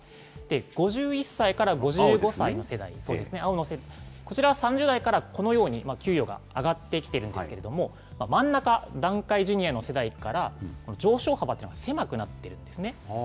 ５１歳から５５歳の世代、こちらは３０代からこのように給与が上がってきてるんですけれども、真ん中、団塊ジュニアの世代から、上昇幅というのは、狭くなっているんですね。